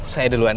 saya duluan ya